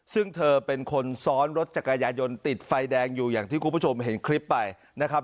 ซึ่งเธอเป็นคนซ้อนรถจักรยายนติดไฟแดงอยู่อย่างที่คุณผู้ชมเห็นคลิปไปนะครับ